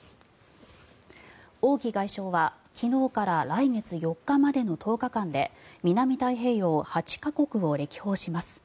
王毅外相は昨日から来月４日までの１０日間で南太平洋８か国を歴訪します。